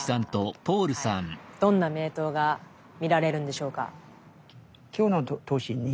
どんな名刀が見られるんでしょうか。